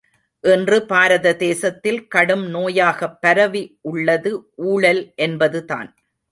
இன்று பாரத தேசத்தில் கடும் நோயாகப் பரவி உள்ளது ஊழல் என்பதுதான்.